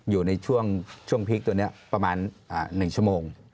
อยู่ในช่วงพีคตัวนี้ประมาณ๑ชั่วโมง